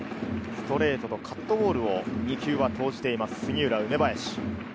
ストレートとカットボールを２球投じています、杉浦、梅林。